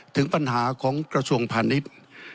ถึงปัญหาของกระทรวงพาณิชย์